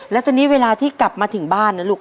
แล้วทีนี้เวลาที่กลับมาถึงบ้านนะลูก